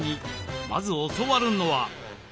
まず教わるのは。